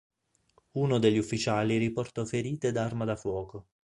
Uno degli ufficiali riportò ferite da arma da fuoco.